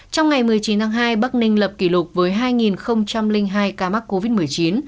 trong ngày một mươi chín tháng hai bắc ninh lập kỷ lục với hai hai ca mắc covid một mươi chín